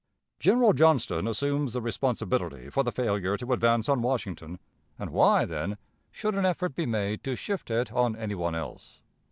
"General Johnston assumes the responsibility for the failure to advance on Washington, and why, then, should an effort be made to shift it on any one else?